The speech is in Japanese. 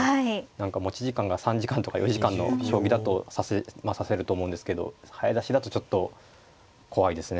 何か持ち時間が３時間とか４時間の将棋だと指せると思うんですけど早指しだとちょっと怖いですね